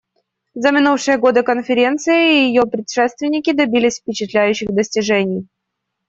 За минувшие годы Конференция и ее предшественники добились впечатляющих достижений.